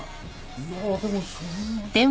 いやでもそんな。